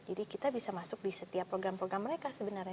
jadi kita bisa masuk di setiap program program mereka sebenarnya